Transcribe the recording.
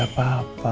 gak ada apa apa